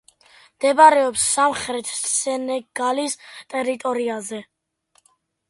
მდებარეობს სამხრეთ სენეგალის ტერიტორიაზე.